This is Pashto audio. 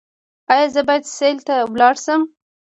ایا زه باید سیل ته لاړ شم؟